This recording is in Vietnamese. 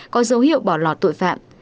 có dấu hiệu bỏ lọt tội phạm